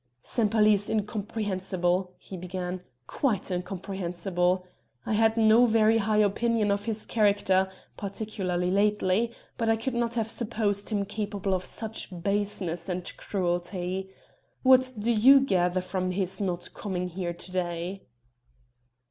"Sempaly is incomprehensible," he began, "quite incomprehensible! I had no very high opinion of his character particularly lately; but I could not have supposed him capable of such baseness and cruelty. What do you gather from his not coming here to day?"